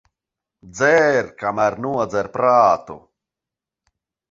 Dzer, kamēr nodzer prātu.